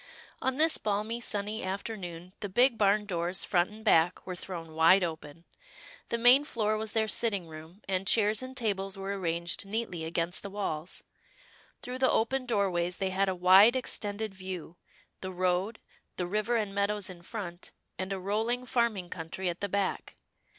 On this balmy, sunny afternoon, the big barn doors, front and back, were thrown wide open. The main floor was their sitting room, and chairs and tables were arranged neatly against the walls. Through the open doorways they had a wide ex tended view — the road, the river and meadows in front, and a rolling farming country at the back.